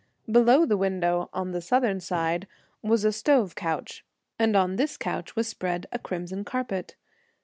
Below the window, on the southern side, was a stove couch, and on this couch was spread a crimson carpet.